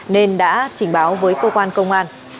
nên đã trình báo với cơ quan công an